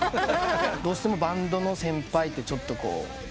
どうしてもバンドの先輩ってちょっとこう。